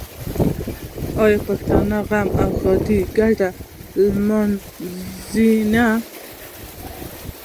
آیا د پښتنو په غم او ښادۍ کې ګډون لازمي نه وي؟